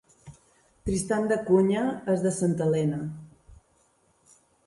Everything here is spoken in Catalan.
Tristan da Cunha és de Santa Elena.